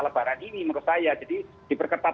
lebaran ini menurut saya jadi diperketat